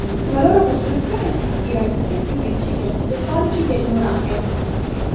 La loro costruzione si ispira agli stessi principi architettonici del nuraghe.